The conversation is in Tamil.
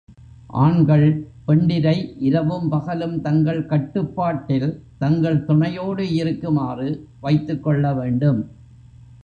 ஆண்கள் பெண்டிரை இரவும் பகலும் தங்கள் கட்டுப்பாட்டில் தங்கள் துணையோடு இருக்குமாறு வைத்துக் கொள்ள வேண்டும்.